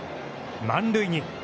満塁に。